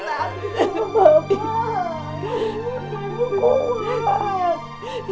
bapak ibu kuat